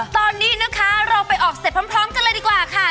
ตอนนี้นะคะเราไปออกเสร็จพร้อมกันเลยดีกว่าค่ะ